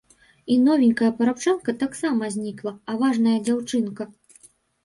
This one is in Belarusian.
І новенькая парабчанка таксама знікла, а важная дзяўчынка!